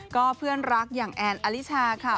ก็เพื่อนรักอย่างแอนอลิชาค่ะ